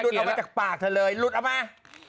ลุดเอามาจากปากเธอเลยลุดเอามา